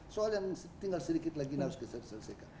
soal yang tinggal sedikit lagi yang harus diselesaikan